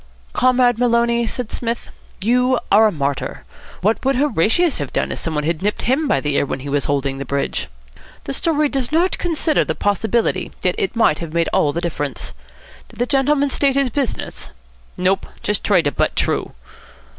"Comrade Maloney," said Psmith, "you are a martyr. What would Horatius have done if somebody had nipped him by the ear when he was holding the bridge? The story does not consider the possibility. Yet it might have made all the difference. Did the gentleman state his business?" "Nope. Just tried to butt t'roo."